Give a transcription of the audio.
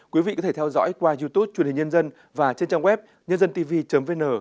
quý vị có thể theo dõi qua youtube chuyên hình nhân dân và trên trang web nhândantv vn